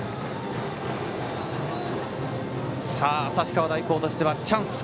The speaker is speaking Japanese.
旭川大高としてはチャンス。